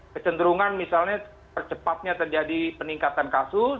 kecenderungan misalnya percepatnya terjadi peningkatan kasus